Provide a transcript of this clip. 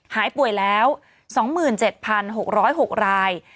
หายป่วยแล้ว๒๗๖๐๖ราย